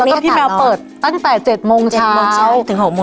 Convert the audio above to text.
แล้วก็พี่แมวเปิดตั้งแต่เจ็ดโมงเช้าเจ็ดโมงเช้าถึงหกโมงเย็น